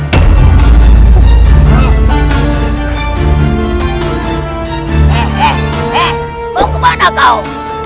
hei mau kemana kau